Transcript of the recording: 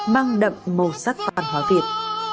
mang đậm màu sắc toàn hóa việt